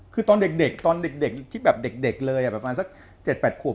คือตอนเด็กตอนเด็กที่แบบเด็กเลยประมาณสัก๗๘ขวบ